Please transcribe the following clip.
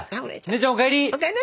姉ちゃんお帰り！